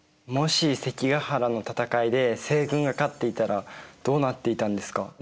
もし関ヶ原の戦いで西軍が勝っていたらどうなっていたんですか？